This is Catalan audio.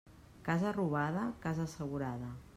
Casa robada, casa assegurada.